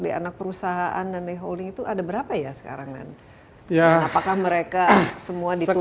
di anak perusahaan dan di holding itu ada berapa ya sekarang dan apakah mereka semua dituntut